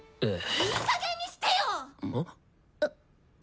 いいかげんにしてよ！